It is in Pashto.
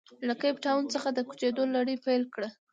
له کیپ ټاون څخه د کوچېدو لړۍ پیل کړه.